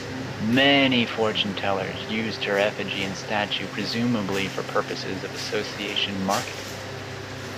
Many fortune tellers used her effigy and statue, presumably for purposes of association marketing.